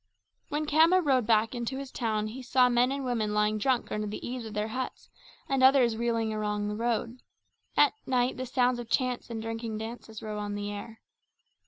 When Khama rode back again into his town he saw men and women lying drunk under the eaves of their huts and others reeling along the road. At night the sounds of chants and drinking dances rose on the air.